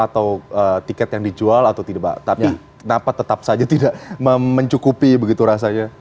atau tiket yang dijual atau tidak pak tapi kenapa tetap saja tidak mencukupi begitu rasanya